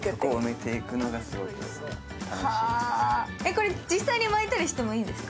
これ、実際に巻いたりしてもいいですか？